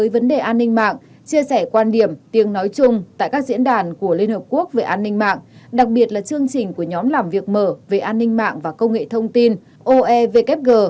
vấn đề an ninh mạng chia sẻ quan điểm tiếng nói chung tại các diễn đàn của liên hợp quốc về an ninh mạng đặc biệt là chương trình của nhóm làm việc mở về an ninh mạng và công nghệ thông tin oevkg